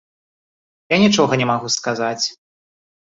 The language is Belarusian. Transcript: Я нічога не магу сказаць.